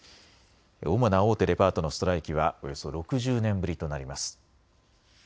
主な大手デパートのストライキはおよそ６０年ぶりとなります。